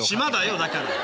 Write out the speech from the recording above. だから。